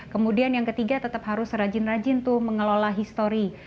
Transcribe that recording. kemudian yang ketiga tetap harus rajin rajin tuh mengelola histori